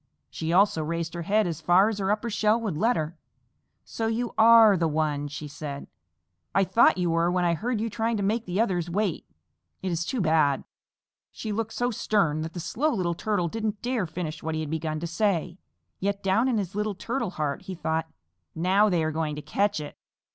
She also raised her head as far as her upper shell would let her. "So you are the one," she said. "I thought you were when I heard you trying to make the others wait. It is too bad." She looked so stern that the Slow Little Turtle didn't dare finish what he had begun to say, yet down in his little Turtle heart he thought, "Now they are going to catch it!"